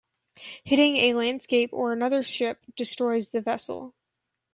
Hitting a landscape or another ship destroys the vessel.